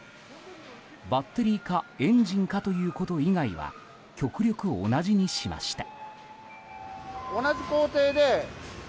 バッテリーかエンジンかということ以外は極力同じにしました。